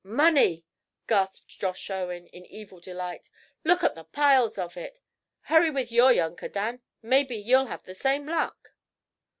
"Money!" gasped Josh Owen, in evil delight. "Look at the piles of it! Hurry with your younker, Dan. Maybe ye'll have the same luck."